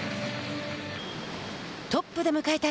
トップで迎えた